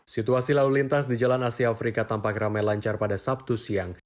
situasi lalu lintas di jalan asia afrika tampak ramai lancar pada sabtu siang